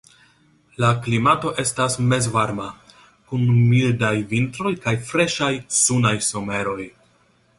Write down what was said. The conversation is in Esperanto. La klimato estas mezvarma kun mildaj vintroj kaj freŝaj, sunaj someroj.